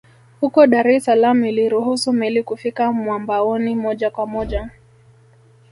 Huko Dar es Salaam iliruhusu meli kufika mwambaoni moja kwa moja